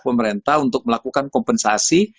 pemerintah untuk melakukan kompensasi